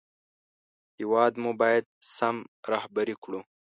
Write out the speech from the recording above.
هېواد مو باید سم رهبري کړو